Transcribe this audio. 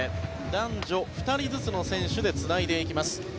男女２人ずつの選手でつないでいきます。